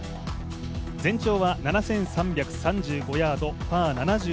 全長は７３３５ヤード、パー７２。